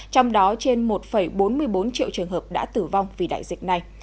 trong đó trên một bốn mươi bốn triệu trường hợp đã tử vong vì đại dịch này